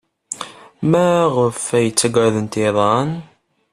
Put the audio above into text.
Maɣef ay ttaggadent iḍan?